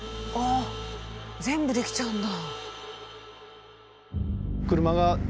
全部できちゃうんだ。